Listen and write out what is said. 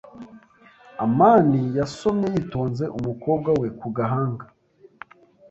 amani yasomye yitonze umukobwa we ku gahanga.